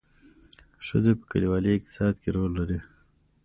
ښځې په کلیوالي اقتصاد کې رول لري